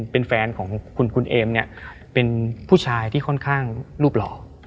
เป็นของคุณคุณเอมเนี้ยเป็นผู้ชายที่ของหล่อ